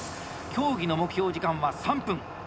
競技の目標時間は３分。